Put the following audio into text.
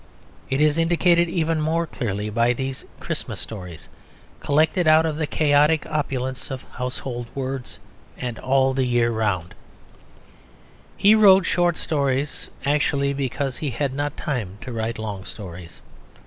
It is indicated even more clearly by these Christmas Stories, collected out of the chaotic opulence of Household Words and All the Year Round. He wrote short stories actually because he had not time to write long stories.